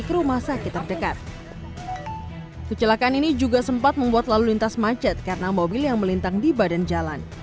kecelakaan ini juga sempat membuat lalu lintas macet karena mobil yang melintang di badan jalan